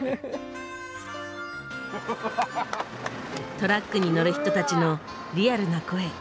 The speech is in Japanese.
トラックに乗る人たちのリアルな声。